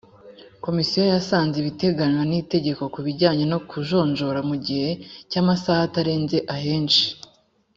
komisiyo yasanze ibiteganywa n itegeko ku bijyanye no kujonjora mu gihe cy amasaha atarenze ahenshi